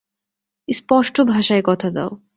স্পষ্ট ভাষায় কথা কও।